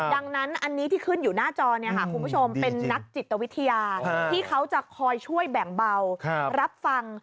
ดังนั้นอันนี้ที่ขึ้นอยู่หน้าจอเนี่ยค่ะคุณผู้ชมเป็นนักจิตวิทยาที่เขาจะคอยช่วยแบ่งเบารับฟัง